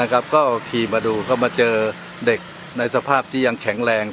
ก็ขี่มาดูก็มาเจอเด็กในสภาพที่ยังแข็งแรง